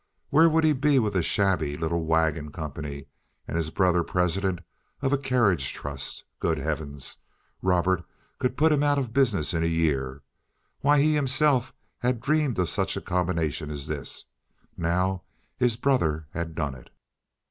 Where would he be with a shabby little wagon company and his brother president of a carriage trust? Good heavens! Robert could put him out of business in a year. Why, he himself had dreamed of such a combination as this. Now his brother had done it.